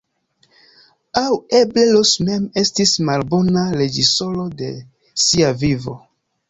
Aŭ eble Ros mem estis malbona reĝisoro de sia vivo.